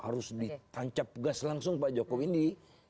harus ditancap gas langsung pak jokowi ini